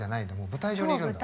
舞台上にいるんだ。